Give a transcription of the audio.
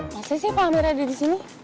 masih sih pak amir ada di sini